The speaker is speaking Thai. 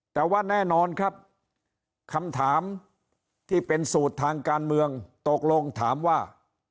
แต่ว่าแน่นอนครับคำถามที่เป็นสูตรทางการเมืองตกลงถามว่า